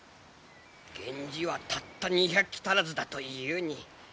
源氏はたった２００騎足らずだというに。